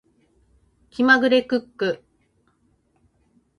気まぐれクック